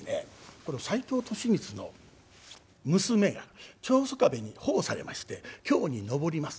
この斎藤利三の娘が長宗我部に保護されまして京に上ります。